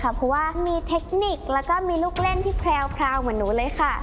เพราะว่ามีเทคนิคแล้วก็มีลูกเล่นที่แพรวเหมือนหนูเลยค่ะ